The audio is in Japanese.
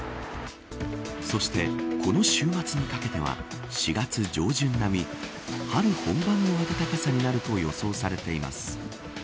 そして、この週末にかけては４月上旬並み春本番の暖かさになると予想されています